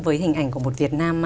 với hình ảnh của một việt nam